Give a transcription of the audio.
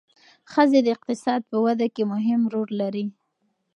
ښځې د اقتصاد په وده کې مهم رول لري.